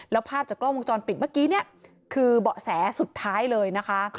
แล้วภาพจากกล้องวงจรปิดเมื่อกี้เนี่ยคือเบาะแสสุดท้ายเลยนะคะ